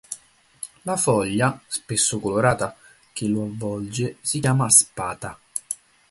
La foglia, spesso colorata, che lo avvolge, si chiama spata.